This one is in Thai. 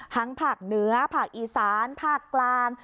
ภาคเหนือภาคอีสานภาคกลาง